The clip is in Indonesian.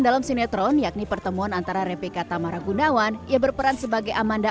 dalam sinetron yakni pertemuan antara repka tamaragunawan yang berperan sebagai amanda